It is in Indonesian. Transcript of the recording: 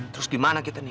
terus gimana kita nih